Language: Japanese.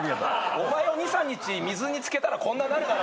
お前を２３日水に漬けたらこんななるだろ。